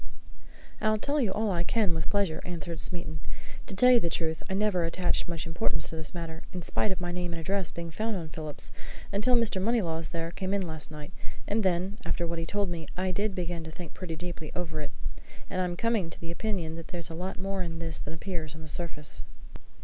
"I'll tell you all I can, with pleasure," answered Smeaton. "To tell you the truth, I never attached much importance to this matter, in spite of my name and address being found on Phillips, until Mr. Moneylaws there came in last night and then, after what he told me, I did begin to think pretty deeply over it, and I'm coming to the opinion that there's a lot more in all this than appears on the surface."